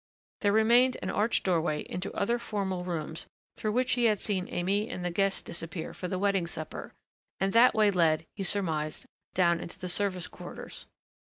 There remained an arched doorway into other formal rooms through which he had seen Aimée and the guests disappear for the wedding supper, and that way led, he surmised, down into the service quarters.